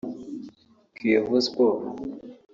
Kiyovu Sport